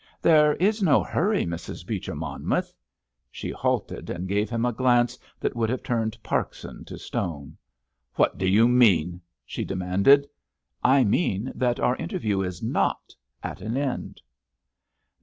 "There is no hurry, Mrs. Beecher Monmouth——" She halted and gave him a glance that would have turned Parkson to stone. "What do you mean?" she demanded. "I mean that our interview is not at an end!"